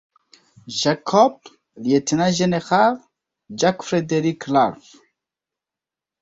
Jacob, Lt. Gen. Jack Frederick Ralph.